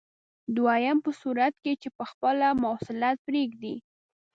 دویم په صورت کې چې په خپله مواصلت پرېږدئ.